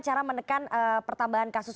cara menekan pertambahan kasus